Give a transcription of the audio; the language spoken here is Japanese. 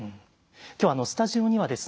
今日スタジオにはですね